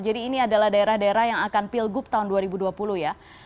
jadi ini adalah daerah daerah yang akan pilgub tahun dua ribu dua puluh ya